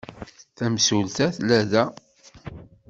Tamsulta tella da.